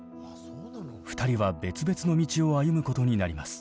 ２人は別々の道を歩むことになります。